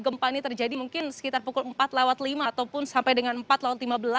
gempa ini terjadi mungkin sekitar pukul empat lewat lima ataupun sampai dengan empat lima belas